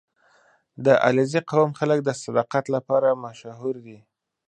• د علیزي قوم خلک د صداقت لپاره مشهور دي.